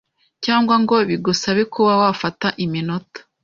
cyangwa ngo bigusabe kuba wafata iminota